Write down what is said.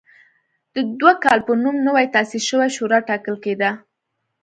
د دوکال په نوم نوې تاسیس شوې شورا ټاکل کېده